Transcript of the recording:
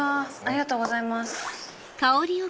ありがとうございます。